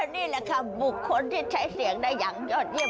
นี่แหละค่อนนึงใช้เสียงได้อย่างยอดเยี่ยม